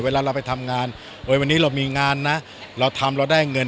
เวลาเราไปทำงานวันนี้เรามีงานนะเราทำเราได้เงิน